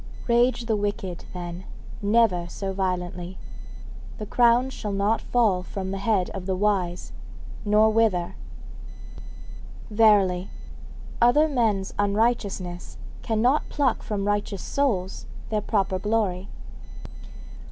Rage the wicked, then, never so violently, the crown shall not fall from the head of the wise, nor wither. Verily, other men's unrighteousness cannot pluck from righteous souls their proper glory.